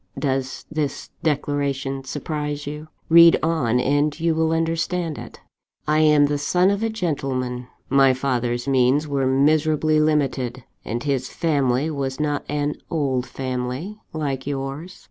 "Does this declaration surprise you? Read on, and you will understand it. "I am the son of a gentleman. My father's means were miserably limited, and his family was not an old family, like yours.